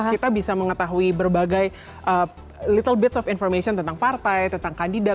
kita bisa mengetahui berbagai little beats of information tentang partai tentang kandidat